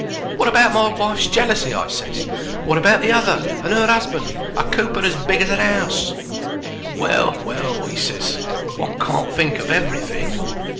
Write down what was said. "Wot about my wife's jealousy?" I ses. "Wot about the other, and her 'usband, a cooper as big as a 'ouse?" "Well, well," he ses, "one can't think of everything.